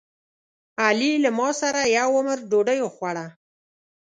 علي له ماماسره یو عمر ډوډۍ وخوړه.